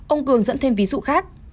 ông cường dẫn thêm ví dụ khác